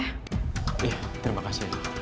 iya terima kasih